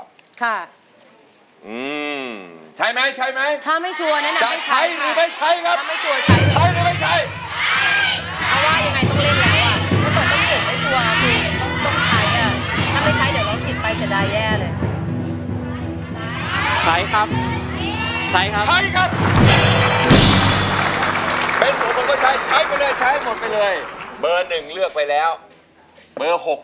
๖ครับ๖ครับ๖ครับ๖ครับ๖ครับ